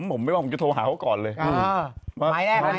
ผมไม่ว่าผมจะโทรหาเขาก่อนเลย